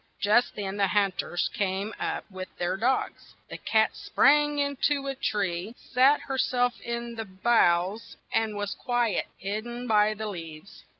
Just then the hunt ers came up with their dogs. The cat sprang in to a tree, sat her self in the boughs, and was quite hid den by the leaves.